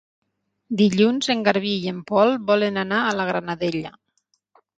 Dilluns en Garbí i en Pol volen anar a la Granadella.